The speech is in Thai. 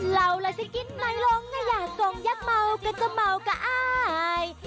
เราล่ะจะกินมาลงน่ะอย่ากองยักษ์เมาก็จะเมากับอาย